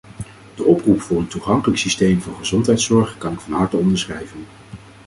De oproep voor een toegankelijk systeem van gezondheidszorg kan ik van harte onderschrijven.